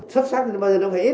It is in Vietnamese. sức sắc bao giờ nó phải ít